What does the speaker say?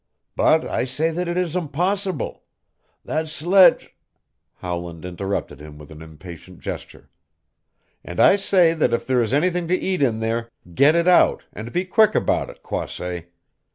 But I say that it is impossible. That sledge " Howland interrupted him with an impatient gesture. "And I say that if there is anything to eat in there, get it out, and be quick about it, Croisset.